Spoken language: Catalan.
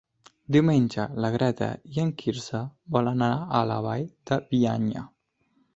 Diumenge na Greta i en Quirze volen anar a la Vall de Bianya.